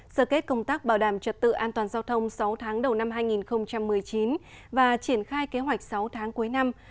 sở kết công tác bảo đảm trật tự an toàn giao thông sáu tháng đầu năm hai nghìn một mươi chín và triển khai kế hoạch sáu tháng cuối năm